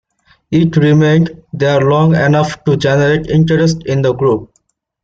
It remained there long enough to generate interest in the group.